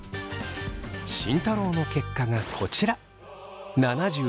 慎太郎の結果がこちら。